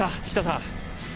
附田さん。